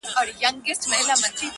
چا ويل ډېره سوخي كوي;